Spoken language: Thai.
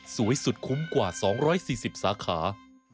สวยสุดคุ้มกว่า๒๔๐สาขา